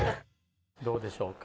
どうでしょうか？